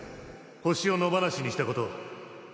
ホシを野放しにしたことを